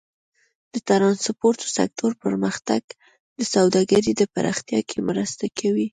د ټرانسپورټ سکتور پرمختګ د سوداګرۍ په پراختیا کې مرسته کوي.